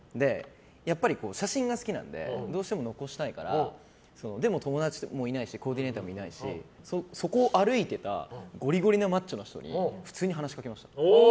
やっぱり写真が好きなのでどうしても残したいからでも、友達もいないしコーディネーターもいないからそこを歩いてたゴリゴリのマッチョの人に普通に話しかけました。